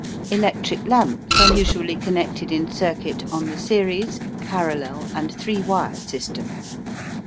Electric lamps are usually connected in circuit on the series, parallel, and three wire system.